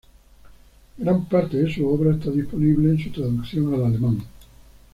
Gran parte de su obra está disponible en su traducción al alemán.